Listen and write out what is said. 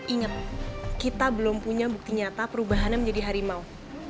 ingat kita belum punya bukti nyata perubahannya menjadi harimau